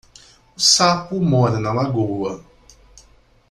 O sapo mora na lagoa.